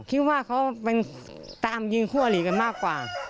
คิดว่าเขาเป็นตามยิงคู่อลีกันมากกว่า